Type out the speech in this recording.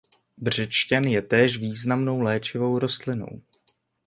Břečťan je též významnou léčivou rostlinou.